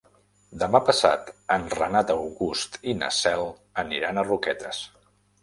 Demà passat en Renat August i na Cel aniran a Roquetes.